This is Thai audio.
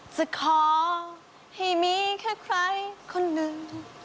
จะขอให้มีแค่ใครคนหนึ่ง